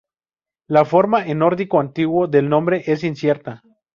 La forma en nórdico antiguo del nombre es incierta.